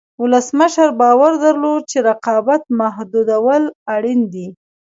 ولسمشر باور درلود چې رقابت محدودول اړین دي.